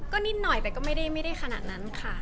ก็นิดหน่อยแต่ก็ไม่ได้ขนาดนั้นค่ะ